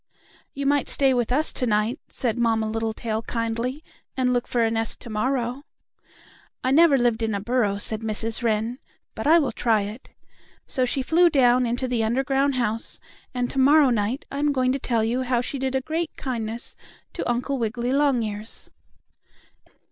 "You might stay with us to night," said Mamma Littletail, kindly, "and look for a nest to morrow." "I never lived in a burrow," said Mrs. Wren, "but I will try it," so she flew down into the underground house, and to morrow night I am going to tell you how she did a great kindness to Uncle Wiggily Longears.